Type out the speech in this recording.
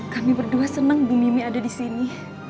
kami berdua senang ibu mimi ada disini